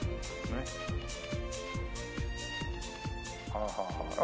はあはあはあ。